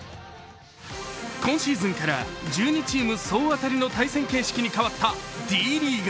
今シーズンから１２チーム総当たりの対戦形式に変わったＤ．ＬＥＡＧＵＥ。